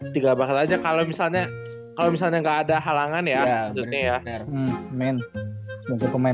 tinggal berangkat aja kalau misalnya kalau misalnya nggak ada halangan ya untuknya ya